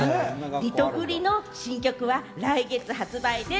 リトグリの新曲は来月発売です。